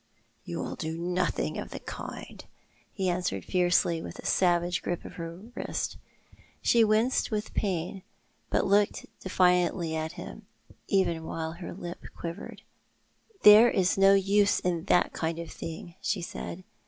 "You will do nothing of the kind,"' he answered fiercely, with a savage grip of her wrist. She winced with pain, but looked defiance at him, even while her lip quivered. " There is no use in that kind of thing," she said.